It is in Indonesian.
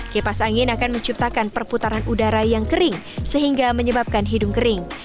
kipas angin akan menciptakan perputaran udara yang kering sehingga menyebabkan hidung kering